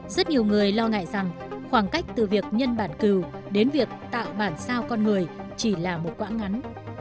rất nhiều người lo ngại rằng khoảng cách từ việc nhân bản cử đến việc tạo bản sao con người chỉ là một quãng ngắn